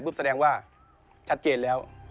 แปลว่าแสดงว่าชัดเจนแล้ว